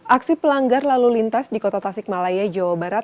aksi pelanggar lalu lintas di kota tasikmalaya jawa barat